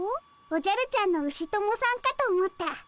おじゃるちゃんのウシ友さんかと思った。